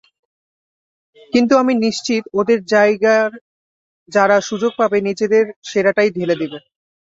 কিন্তু আমি নিশ্চিত ওঁদের জায়গায় যারা সুযোগ পাবে নিজেদের সেরাটাই ঢেলে দেবে।